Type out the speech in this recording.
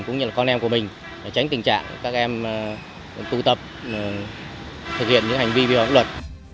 cũng như là con em của mình để tránh tình trạng các em tụ tập thực hiện những hành vi vi phạm luật